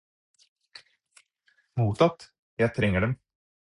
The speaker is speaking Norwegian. Mottatt Jeg trenger dem